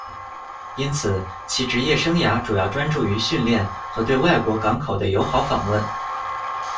因此，其职业生涯主要专注于训练和对外国港口的友好访问。